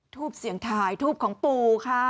ทูปเสียงถ่ายทูบของปู่ค่ะ